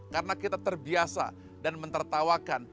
karena kita terbiasa dan mentertawakan